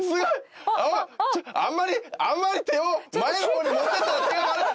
あんまりあんまり手を前の方に持っていったら手がバレる。